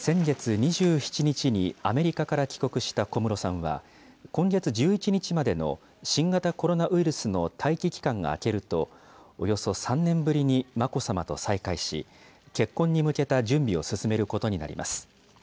２６、２７日に、アメリカから帰国した小室さんは、今月１１日までの新型コロナウイルスの待機期間が明けると、およそ３年ぶりに眞子さまと再会し、結婚に向けた準備を進めることになります。